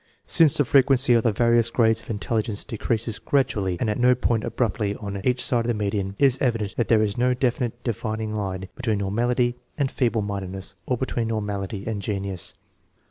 Since the frequency of the various grades of intelli gence decreases gradually and at no point abruptly on each side of the median, it is evident that there is no defi nite dividing line between normality and feeble minded ness, or between normality and genius.